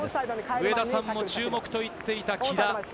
上田さんも注目と言っていた木田。